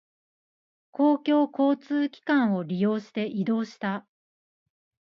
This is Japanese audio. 公共交通機関を利用して移動した。